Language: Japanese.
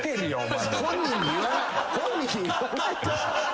本人に言わない。